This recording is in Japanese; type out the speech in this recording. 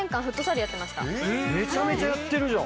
めちゃめちゃやってるじゃん！